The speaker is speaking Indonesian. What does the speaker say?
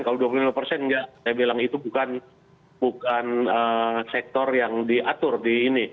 kalau dua puluh lima persen enggak saya bilang itu bukan sektor yang diatur di ini